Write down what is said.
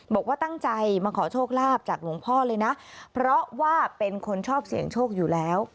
บอกว่าตั้งใจมาขอโชคลาภจากหลวงพ่อเลยนะเพราะว่าเป็นคนชอบเสี่ยงโชคอยู่แล้ว